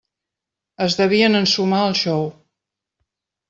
Es devien ensumar el xou.